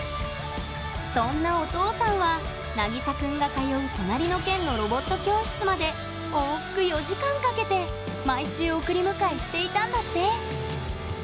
そんなお父さんはなぎさくんが通う隣の県のロボット教室まで毎週送り迎えしていたんだって！